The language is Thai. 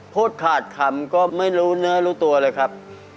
พูดขาดคำก็ไม่รู้เนื้อรู้ตัวเลยครับ